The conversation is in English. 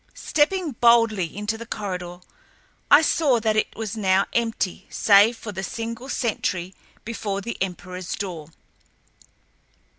Stepping boldly into the corridor, I saw that it was now empty save for the single sentry before the emperorl's door.